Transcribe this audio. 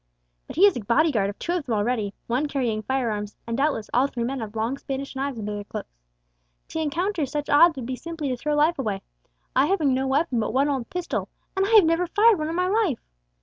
But he has a body guard of two of them already, one carrying fire arms, and doubtless all three men have long Spanish knives under their cloaks. To encounter such odds would be simply to throw life away, I having no weapon but one old pistol and I have never fired one in my life!